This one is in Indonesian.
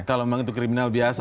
kalau memang itu kriminal biasa